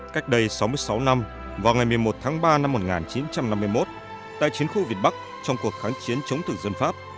cách đây sáu mươi sáu năm vào ngày một mươi một tháng ba năm một nghìn chín trăm năm mươi một tại chiến khu việt bắc trong cuộc kháng chiến chống thực dân pháp